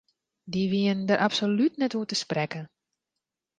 Dy wienen dêr absolút net oer te sprekken.